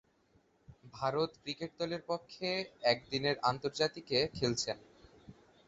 Bharat cricket দলের পক্ষে একদিনের আন্তর্জাতিকে খেলছেন।